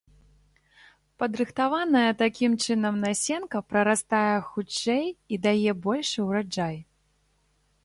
Падрыхтаваная такім чынам насенка прарастае хутчэй і дае большы ўраджай.